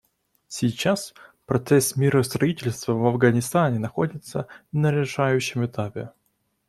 Сейчас процесс миростроительства в Афганистане находится на решающем этапе.